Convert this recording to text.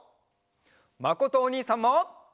まことおにいさんも！